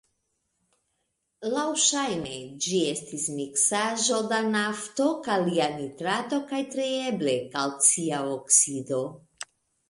Laŭŝajne ĝi estis miksaĵo da nafto, kalia nitrato kaj tre eble kalcia oksido.